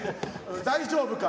大丈夫か。